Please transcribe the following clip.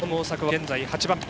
現在、８番目。